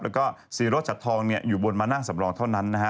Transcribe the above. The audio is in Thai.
แล้วก็ศิโรชัดทองอยู่บนมานั่งสำรองเท่านั้นนะฮะ